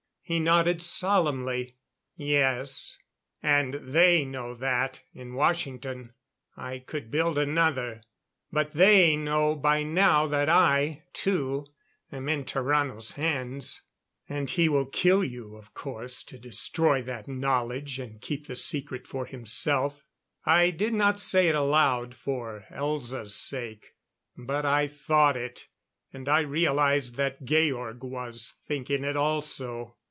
He nodded solemnly. "Yes. And they know that, in Washington. I could build another. But they know by now, that I, too, am in Tarrano's hands " "And he will kill you, of course, to destroy that knowledge and keep the secret for himself " I did not say it aloud, for Elza's sake; but I thought it, and I realized that Georg was thinking it also.